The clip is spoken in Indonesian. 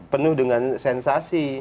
penuh dengan sensasi